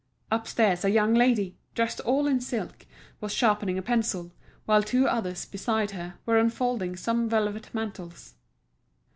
Upstairs a young lady, dressed all in silk, was sharpening a pencil, while two others, beside her, were unfolding some velvet mantles.